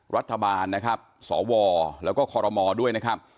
รัฐบาลนะครับสวแล้วก็คอรมอด้วยนะครับ